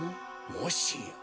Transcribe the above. もしや。